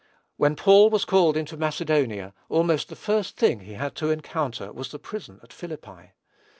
When Paul was called into Macedonia, almost the first thing he had to encounter was the prison at Philippi.